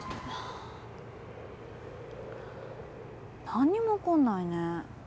何にも起こんないね。